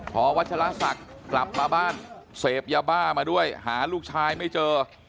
พอวัชลศักดิ์กลับมาบ้านเสพยาบ้ามาด้วยหาลูกชายไม่เจอ